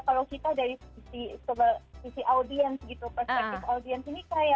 kalau kita dari sisi audiens gitu perspektifnya